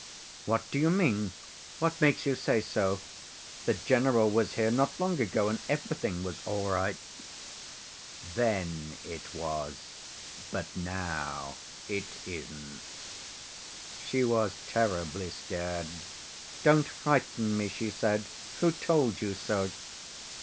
" 'What do you mean? What makes you say so? The general was here not long ago, and everything was all right.' " 'Then it was, but now it isn't.' "She was terribly scared. " 'Don't frighten me!' she said. 'Who told you so?